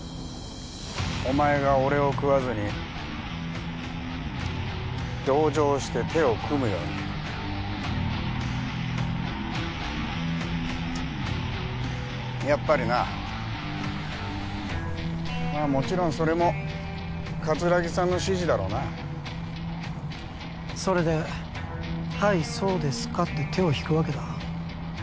お前が俺を喰わずに同情して手を組むようにやっぱりなまあもちろんそれも桂木さんの指示だろうなそれではいそうですかって手を引くわけだ